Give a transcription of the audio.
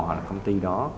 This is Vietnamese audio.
hoặc là công ty đó